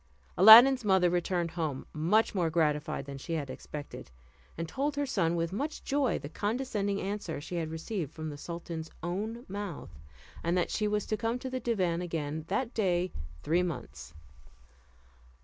Aladdin's mother returned home much more gratified than she had expected, and told her son with much joy the condescending answer she had received from the sultan's own mouth; and that she was to come to the divan again that day three months.